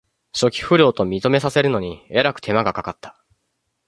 初期不良と認めさせるのにえらく手間がかかった